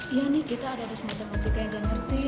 iya nih kita ada resmi tematika yang gak ngerti